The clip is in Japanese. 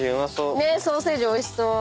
ソーセージおいしそう。